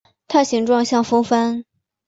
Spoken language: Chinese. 它形状像风帆。